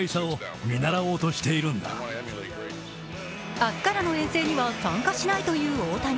明日からの遠征には参加しないという大谷。